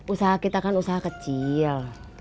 usaha kita kan usaha kecil